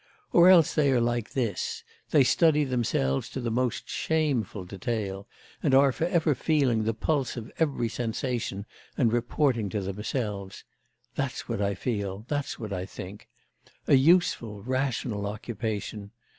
Or else they are like this: they study themselves to the most shameful detail, and are for ever feeling the pulse of every sensation and reporting to themselves: "That's what I feel, that's what I think." A useful, rational occupation!